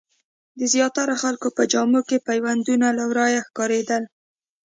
د زیاترو خلکو په جامو کې پیوندونه له ورايه ښکارېدل.